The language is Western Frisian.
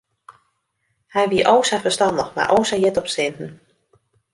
Hy wie o sa ferstannich mar o sa hjit op sinten.